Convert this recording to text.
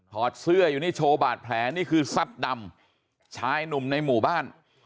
อดเสื้ออยู่นี่โชว์บาดแผลนี่คือซัดดำชายหนุ่มในหมู่บ้าน